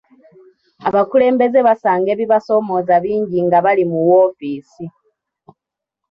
Abakulembeze basanga ebibasoomooza bingi nga bali mu woofiisi.